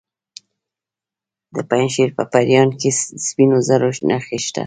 د پنجشیر په پریان کې د سپینو زرو نښې شته.